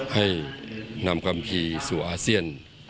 ให้นำกัมภีร์สู่อาเซียน